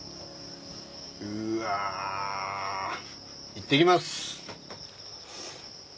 うわいってきます！